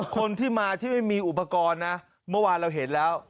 คนที่มาที่ไม่มีอุปกรณ์นะเมื่อวานเราเห็นแล้ว